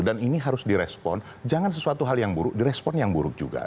dan ini harus di respon jangan sesuatu hal yang buruk di respon yang buruk juga